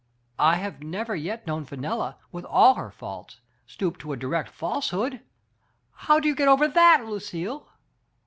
I have never yet known Fenella, with all her faults, stoop to a direct falsehood. How do you get over that, Lucille?"